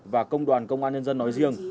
và công đoàn công an nhân dân nói riêng